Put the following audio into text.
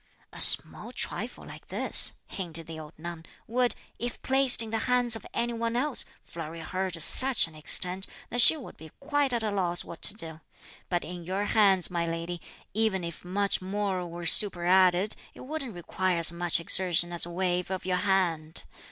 "A small trifle like this," hinted the old nun, "would, if placed in the hands of any one else, flurry her to such an extent that she would be quite at a loss what to do; but in your hands, my lady, even if much more were superadded, it wouldn't require as much exertion as a wave of your hand.